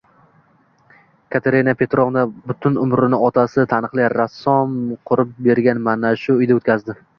Katerina Petrovna butun umrini otasi – taniqli rassom qurib bergan mana shu uyda oʻtkazdi.